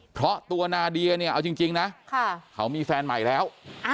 เพราะตัวนาเดียเนี่ยเอาจริงนะเขามีแฟนใหม่แล้ว